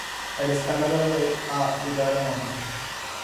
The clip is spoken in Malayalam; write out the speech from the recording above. അടിസ്ഥാനപരമായി ആ വികാരമാണ്